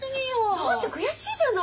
だって悔しいじゃない。